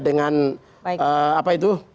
dengan apa itu